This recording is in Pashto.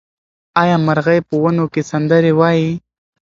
آیا مرغۍ په ونو کې سندرې وايي؟